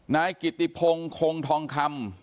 นายกิติพงศ์คงทองคำ